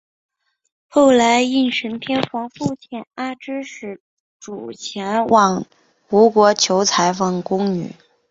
后来应神天皇复遣阿知使主前往吴国求缝工女。